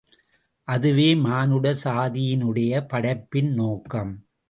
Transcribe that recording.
அதுவே மானுட சாதியினுடைய படைப்பின் நோக்கம்.